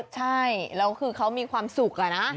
ใช่แล้วคือเขามีความสุขอะนะ